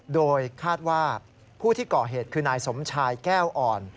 โดยคาดว่าผู้ที่ก่อเหตุคือนายสมชายแก้วอ่อน